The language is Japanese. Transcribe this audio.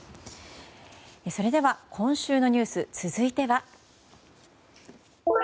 それでは、今週のニュース続いては。